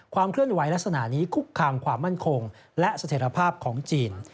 เคลื่อนไหวลักษณะนี้คุกคามความมั่นคงและเสถียรภาพของจีน